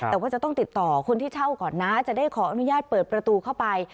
แต่ว่าจะต้องติดต่อคนที่เช่าก่อนนะจะได้ขออนุญาตเปิดประตูเข้าไป